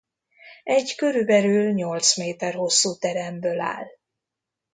Egy körülbelül nyolc méter hosszú teremből áll.